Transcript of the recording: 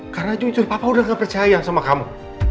karena jujur papa udah gak percaya sama kamu